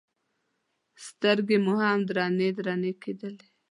سترګې مو هم درنې درنې کېدلې.